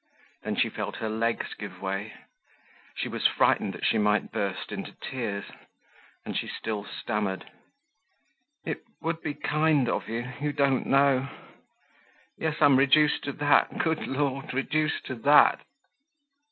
Then she felt her legs give way. She was frightened that she might burst into tears, and she still stammered: "It would be kind of you! You don't know. Yes, I'm reduced to that, good Lord—reduced to that!"